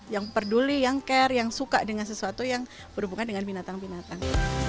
yang peduli yang care yang suka dengan sesuatu yang berhubungan dengan binatang binatang